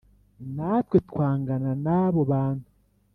natwe twangana nabo bantu